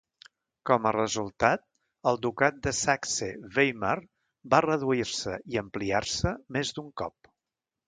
Com a resultat, el ducat de Saxe-Weimar va reduir-se i ampliar-se més d"un cop.